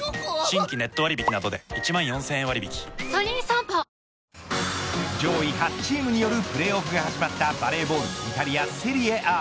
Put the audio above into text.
ピンポーン上位８チームによるプレーオフが始まったバレーボールイタリアセリエＡ。